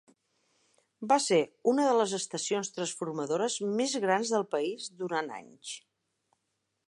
Va ser una de les estacions transformadores més grans del país durant anys.